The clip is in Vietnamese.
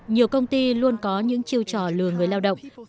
nhiều công ty luôn có những chiêu trò lừa người lao động